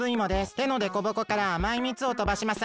てのでこぼこからあまいみつをとばします。